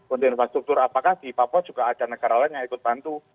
untuk infrastruktur apakah di papua juga ada negara lain yang ikut bantu